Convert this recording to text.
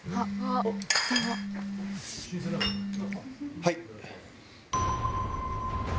はい。